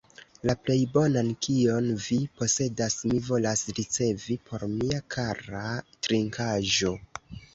La plej bonan, kion vi posedas, mi volas ricevi por mia kara trinkaĵo!